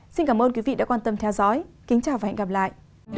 xin cảm ơn quý vị đã quan tâm theo dõi kính chào và hẹn gặp lại